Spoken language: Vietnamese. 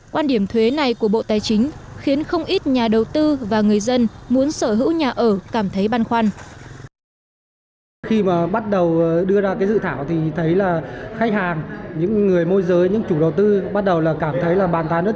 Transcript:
quan điểm thuế này của bộ tài chính khiến không ít nhà đầu tư và người dân muốn sở hữu nhà ở cảm thấy băn khoăn